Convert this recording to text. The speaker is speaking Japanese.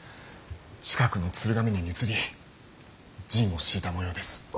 近くの鶴ヶ峰に移り陣を敷いたもようです。